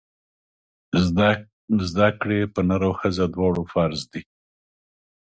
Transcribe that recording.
زده کړې په ښځه او نر دواړو فرض دی!